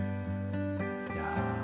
いや。